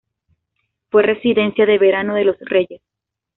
Fue residencia de verano de los Reyes.